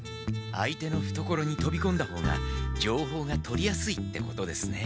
相手のふところにとびこんだ方がじょうほうが取りやすいってことですね。